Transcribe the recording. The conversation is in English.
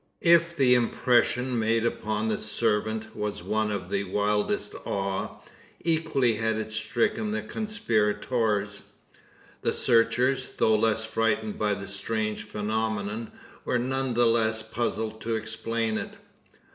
If the impression made upon the servant was one of the wildest awe, equally had it stricken the conspirators. The searchers, though less frightened by the strange phenomenon, were none the less puzzled to explain it.